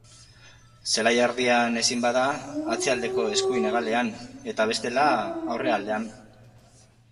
Zelai-erdian ezin bada, atzealdeko eskuin-hegalean eta bestela, aurrealdean.